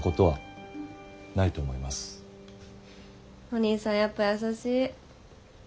お兄さんやっぱ優しい。